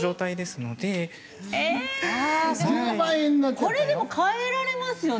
これでも換えられますよね？